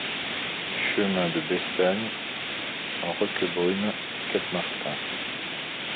Chemin de Bestagne, Roquebrune-Cap-Martin